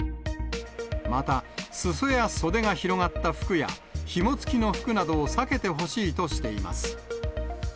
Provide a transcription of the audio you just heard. また裾や袖が広がった服や、ひも付きの服などを避けてほしいとしています。